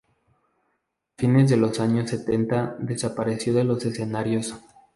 A fines de los años setenta desapareció de los escenarios.